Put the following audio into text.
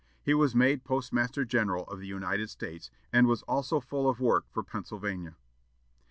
He was made postmaster general of the United States, and was also full of work for Pennsylvania.